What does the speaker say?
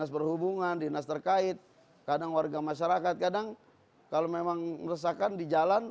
perhubungan dinas terkait kadang warga masyarakat kadang kalau memang ngeresakan di jalan